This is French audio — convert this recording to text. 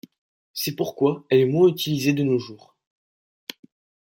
C'est pourquoi elle est moins utilisée de nos jours.